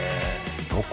どこ？